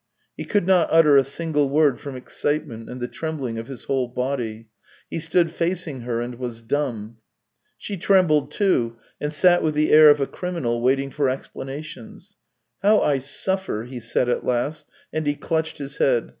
He could not utter a single word from excitement and the trembling of his whole body; he stood facing her and was dumb. She trembled, too, and sat with the air of a criminal waiting for explanations. " How I suffer !" he said at last, and he clutched his head.